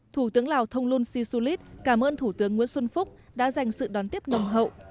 thủ tướng lào thông lung sisulit cảm ơn thủ tướng nguyễn xuân phúc đã dành sự đón tiếp nồng hậu